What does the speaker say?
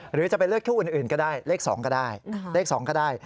หรือจะเป็นเลขคี่อื่นก็ได้เลข๒ก็ได้